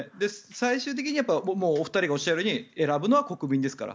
最終的にお二人がおっしゃるように選ぶのは国民ですから。